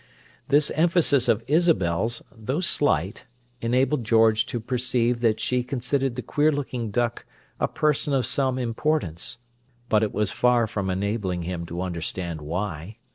This emphasis of Isabel's, though slight, enabled George to perceive that she considered the queer looking duck a person of some importance; but it was far from enabling him to understand why.